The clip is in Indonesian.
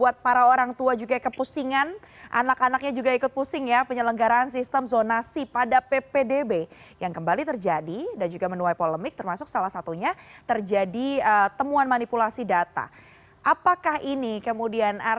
terima kasih selamat sore mbak mepri selamat sore semua